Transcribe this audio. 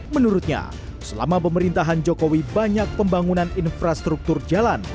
menurutnya selama pemerintahan jokowi banyak pembangunan infrastruktur jalan